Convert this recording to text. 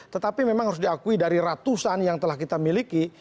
tetapi memang harus diakui dari ratusan yang telah kita miliki